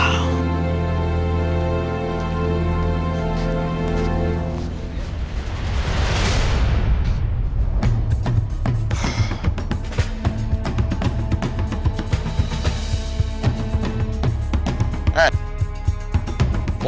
kamu gak akan kehilangan baby mona